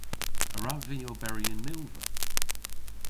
A wrav vy oberi yn milva?